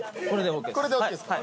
これでＯＫですか？